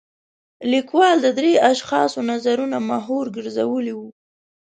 لیکوال د درېو اشخاصو نظرونه محور ګرځولی و.